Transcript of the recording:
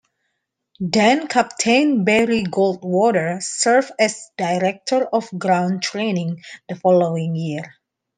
Then-Captain Barry Goldwater served as director of ground training the following year.